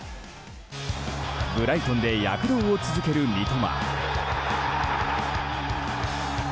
ブライトンで躍動を続ける三笘。